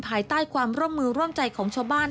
ภายใต้ความร่วมมือร่วมใจของชาวบ้าน